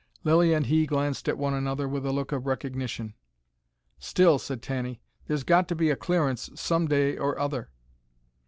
Lilly and he glanced at one another with a look of recognition. "Still," said Tanny, "there's got to be a clearance some day or other."